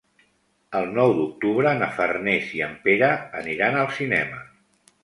El nou d'octubre na Farners i en Pere aniran al cinema.